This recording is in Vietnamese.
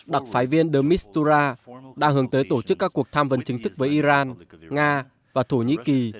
đặc phái viên demitura đã hướng tới tổ chức các cuộc tham vấn chính thức với iran nga và thổ nhĩ kỳ